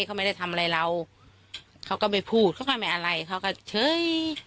เขาไม่ได้ทำอะไรเราเขาก็ไม่พูดเขาก็ไม่อะไรเขาก็เฉย